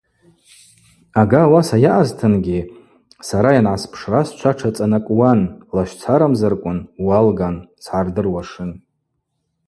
Ага ауаса йаъазтынгьи сара йангӏаспшра счва тшацӏанакӏуан, лащцарамзарквын – уалган – сгӏардыруашын.